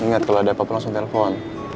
inget kalau ada apa apa langsung telepon